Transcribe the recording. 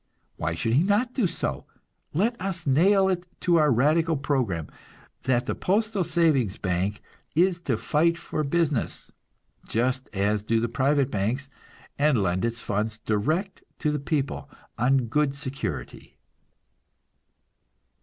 Why should he not do so? Let us nail it to our radical program that the postal savings bank is to fight for business, just as do the private banks, and lend its funds direct to the people on good security.